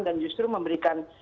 dan justru memberikan